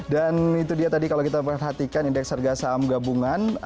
dan itu dia tadi kalau kita perhatikan indeks harga saham gabungan